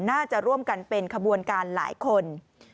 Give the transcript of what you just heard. น่าจะร่วมกันเป็นขบวนการหลายคน